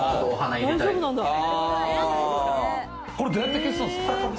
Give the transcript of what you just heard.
これ、どうやって消すんすか？